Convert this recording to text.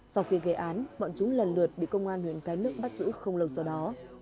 sau khi gây án bọn chúng lần lượt bị công an huyện cái nước bắt giữ không lâu sau đó